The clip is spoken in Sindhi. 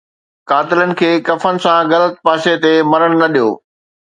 قاتلن کي ڪفن سان غلط پاسي تي مرڻ نه ڏيو